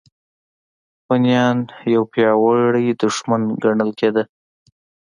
هونیان یو پیاوړی دښمن ګڼل کېده.